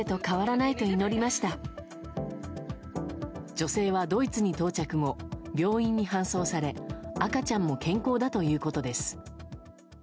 女性はドイツに到着後病院に搬送され赤ちゃんも健康だということです。